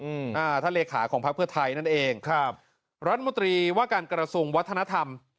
อืมอ่าท่านเลขาของพักเพื่อไทยนั่นเองครับรัฐมนตรีว่าการกระทรวงวัฒนธรรม